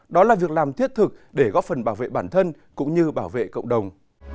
đó là việc làm thiết thực để góp phần bảo vệ bản thân cũng như bảo vệ cộng đồng